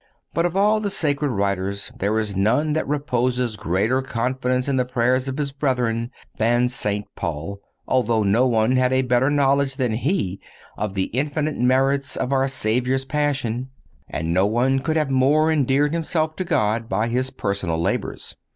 But of all the sacred writers there is none that reposes greater confidence in the prayers of his brethren than St. Paul, although no one had a better knowledge than he of the infinite merits of our Savior's Passion, and no one could have more endeared himself to God by his personal labors.